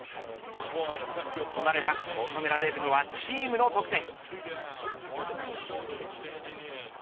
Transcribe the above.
となれば求められるのはチームの得点。